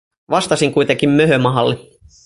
Vastasin kuitenkin möhömahalle: